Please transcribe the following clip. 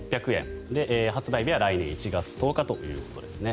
発売日は来年１月１０日ということですね。